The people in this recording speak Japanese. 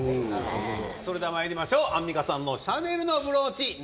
それではまいりましょうアンミカさんのシャネルのブローチ。